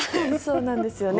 そうなんですよね。